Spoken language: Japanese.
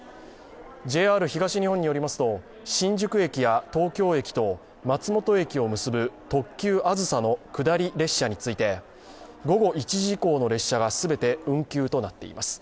ＪＲ東日本によりますと新宿駅や東京駅と松本駅を結ぶ特急あずさの下り列車について、午後１時以降の列車が全て運休となっています。